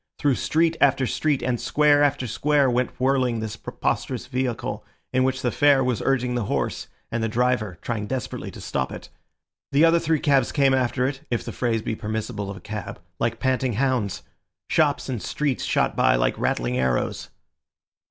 Through street after street and square after square went whirling this preposterous vehicle, in which the fare was urging the horse and the driver trying desperately to stop it. The other three cabs came after it (if the phrase be permissible of a cab) like panting hounds. Shops and streets shot by like rattling arrows.